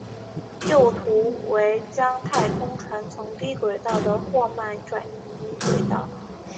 右图为将太空船从低轨道的霍曼转移轨道。